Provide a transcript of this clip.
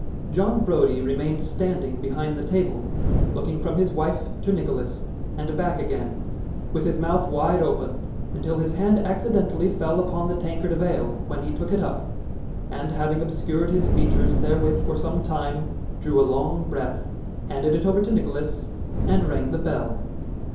John Browdie remained standing behind the table, looking from his wife to Nicholas, and back again, with his mouth wide open, until his hand accidentally fell upon the tankard of ale, when he took it up, and having obscured his features therewith for some time, drew a long breath, handed it over to Nicholas, and rang the bell.